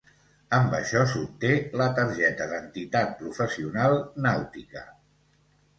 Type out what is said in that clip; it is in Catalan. Amb això s'obté la "Targeta d'entitat professional nàutica".